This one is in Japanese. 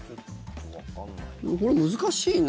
これ、難しいな。